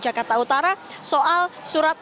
jakarta utara soal surat